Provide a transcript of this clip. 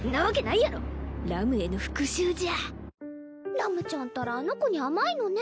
ラムちゃんったらあの子に甘いのね。